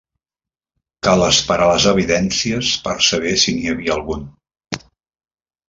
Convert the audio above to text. Cal esperar les evidències per saber si n'hi havia algun.